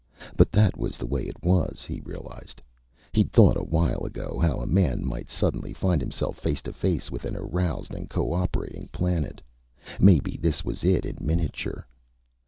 But that was the way it was, he realized. He'd thought, a while ago, how a man might suddenly find himself face to face with an aroused and cooperating planet. Maybe this was it in miniature.